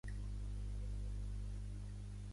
Israel, com Sud-àfrica, és un estat d'apartheid.